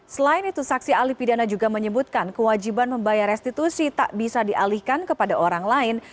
selain itu saksi ahli pidana juga menyebutkan kewajiban membayar restitusi tak bisa dialihkan kepada orang lain